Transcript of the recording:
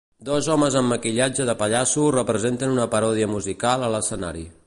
Dos homes amb maquillatge de pallasso representen una paròdia musical a l'escenari.